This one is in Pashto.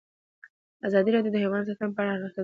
ازادي راډیو د حیوان ساتنه په اړه د هر اړخیز پوښښ ژمنه کړې.